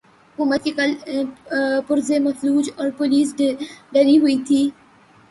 حکومت کے کل پرزے مفلوج اور پولیس ڈری ہوئی تھی۔